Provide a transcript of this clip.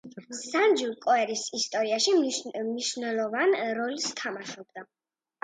სანჯუ კორეის ისტორიაში მნიშვნელოვან როლს თამაშობდა.